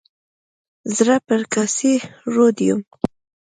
زه پر کاسي روډ یم.